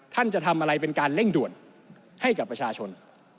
จะทำอะไรเป็นการเร่งด่วนให้กับประชาชน